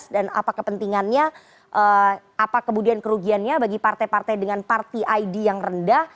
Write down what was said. dan apa kepentingannya apa kemudian kerugiannya bagi partai partai dengan parti id yang rendah